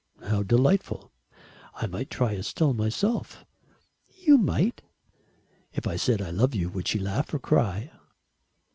"How delightful. I might try Estelle myself." "You might." "If I said 'I love you,' would she laugh or cry?"